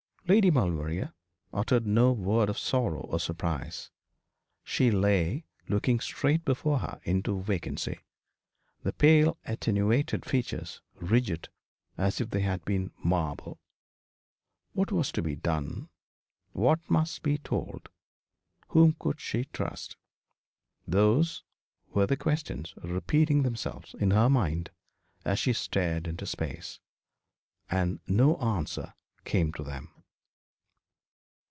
Lady Maulevrier uttered no word of sorrow or surprise. She lay, looking straight before her into vacancy, the pale attenuated features rigid as if they had been marble. What was to be done what must be told whom could she trust? Those were the questions repeating themselves in her mind as she stared into space. And no answer came to them.